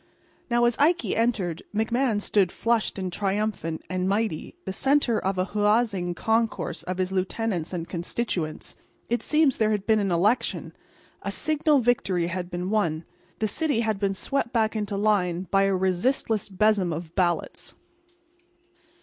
Now, as Ikey entered, McMahan stood, flushed and triumphant and mighty, the centre of a huzzaing concourse of his lieutenants and constituents. It seems there had been an election; a signal victory had been won; the city had been swept back into line by a resistless besom of ballots.